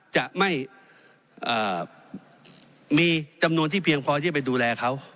จะไม่มีจำนวนที่เพียงพอที่จะไปดูแลเขา